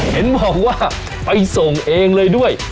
เห็นบอกว่าไปส่งเองเลยด้วย